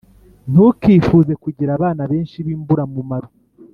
Ntukifuze kugira abana benshi b’imburamumaro,